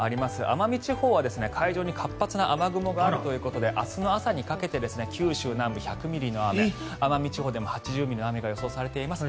奄美地方は海上に活発な雨雲があるということで明日の朝にかけて九州南部で１００ミリの雨奄美地方でも８０ミリの雨が予想されています。